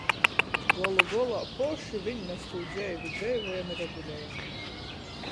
Golu golā poši viņ mes tū dzeivi dzeivojam i regulejam.